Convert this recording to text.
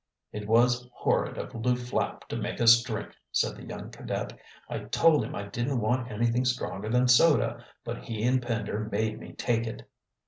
"It was horrid of Lew Flapp to make us drink," said the young cadet. "I told him I didn't want anything stronger than soda. But he and Pender made me take it."